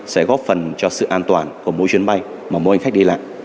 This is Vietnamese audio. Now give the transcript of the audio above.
sẽ góp phần cho sự an toàn của mỗi chuyến bay mà mỗi hành khách đi lại